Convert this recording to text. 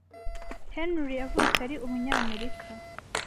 Henry yavutse ari umunyamerika.